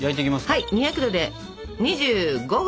はい２００℃で２５分！